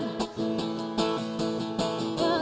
setidaknya kau pada pada